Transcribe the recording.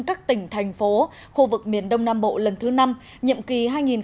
các tỉnh thành phố khu vực miền đông nam bộ lần thứ năm nhiệm kỳ hai nghìn một mươi sáu hai nghìn hai mươi một